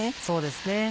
そうですね。